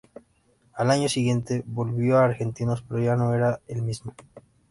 Al año siguiente volvió a Argentinos, pero ya no era el mismo.